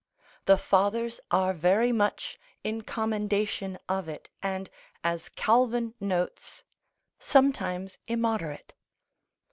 The fathers are very much in commendation of it, and, as Calvin notes, sometimes immoderate.